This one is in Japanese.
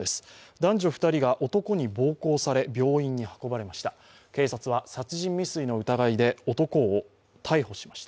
男女２人が男に暴行され病院に運ばれました。